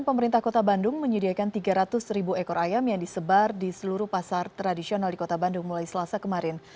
pemerintah kota bandung menyediakan tiga ratus ribu ekor ayam yang disebar di seluruh pasar tradisional di kota bandung mulai selasa kemarin